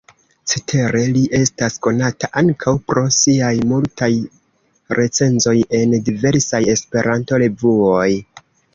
Cetere, li estas konata ankaŭ pro siaj multaj recenzoj en diversaj E-revuoj.